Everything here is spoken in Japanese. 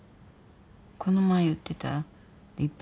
この前言ってた立派な子？